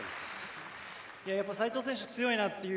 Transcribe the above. やっぱり斎藤選手強いなという。